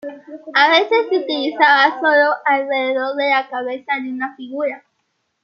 A veces se utilizaba solo alrededor de la cabeza de una figura.